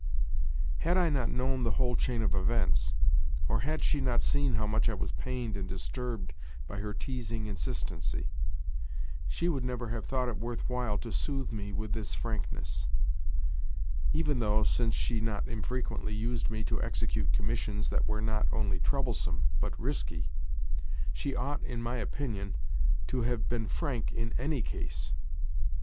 Had I not known the whole chain of events, or had she not seen how much I was pained and disturbed by her teasing insistency, she would never have thought it worthwhile to soothe me with this frankness—even though, since she not infrequently used me to execute commissions that were not only troublesome, but risky, she ought, in my opinion, to have been frank in any case.